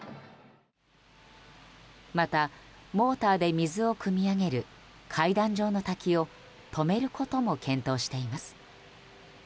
またモーターで水をくみ上げる階段状の滝を止めることも検討しています。